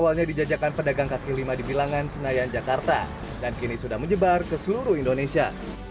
awalnya dijajakan pedagang kaki lima di bilangan senayan jakarta dan kini sudah menyebar ke seluruh indonesia